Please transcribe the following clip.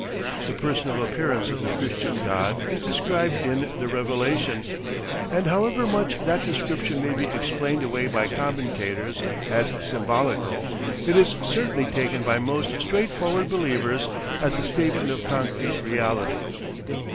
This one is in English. The personal appearance of the Christian God is described in The Revelation, and however much that description may be explained away by commentators as symbolical, it is certainly taken by most straightforward believers as a statement of concrete reality.